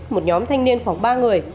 một nhóm thanh niên khoảng ba người